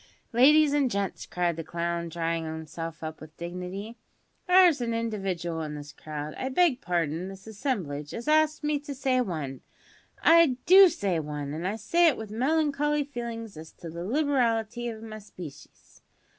"Ladies and gents," cried the clown, drawing himself up with dignity; "there's an individual in this crowd I beg parden, this assemblage as asks me to say `one.' I do say `one,' an' I say it with melancholy feelin's as to the liberality of my species.